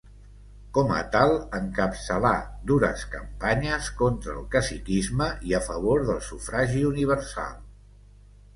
Com a tal encapçalà dures campanyes contra el caciquisme i a favor del sufragi universal.